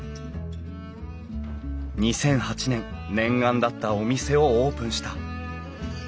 ２００８年念願だったお店をオープンした。